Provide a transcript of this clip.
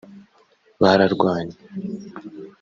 Bararwanye